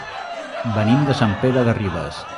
Venim de Sant Pere de Ribes.